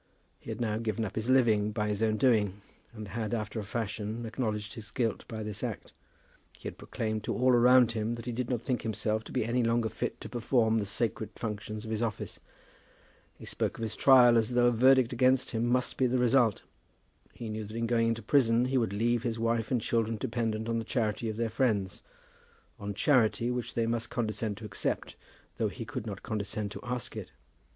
He had now given up his living by his own doing, and had after a fashion acknowledged his guilt by this act. He had proclaimed to all around him that he did not think himself to be any longer fit to perform the sacred functions of his office. He spoke of his trial as though a verdict against him must be the result. He knew that in going into prison he would leave his wife and children dependent on the charity of their friends, on charity which they must condescend to accept, though he could not condescend to ask it.